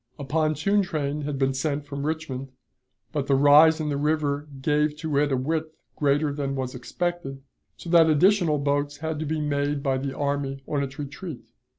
A pontoon train had been sent from Richmond, but the rise in the river gave to it a width greater than was expected, so that additional boats had to be made by the army on its retreat.